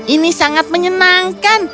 ini sangat menyenangkan